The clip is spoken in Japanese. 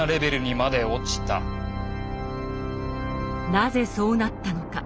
なぜそうなったのか。